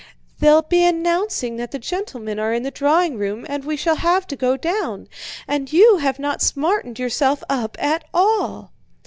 "They'll be announcing that the gentlemen are in the drawing room and we shall have to go down, and you have not smartened yourself up at all!"